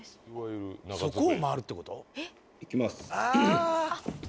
そこを回るってこと⁉いきます。